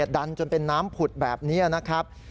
ดันจนเป็นน้ำผุดแบบนี้นะครับ